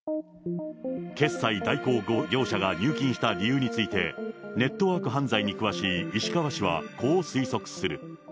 決済代行業者が入金した理由について、ネットワーク犯罪に詳しい石川氏はこう推測する。